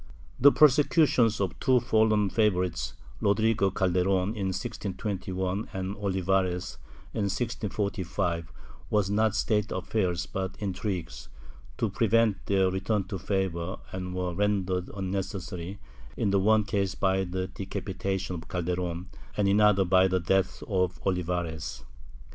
^ The prosecutions of the two fallen favorites, Rodrigo Calderon, in 1621 and Olivares, in 1645, were not state affairs but intrigues, to prevent their return to favor and were rendered unnecessary, in the one case by the decapitation of Calderon and in the other by the death of Olivares.